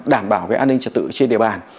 đảm bảo an ninh trật tự trên địa phương